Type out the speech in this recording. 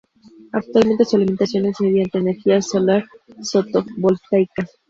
Actualmente su alimentación es mediante energía solar fotovoltaica.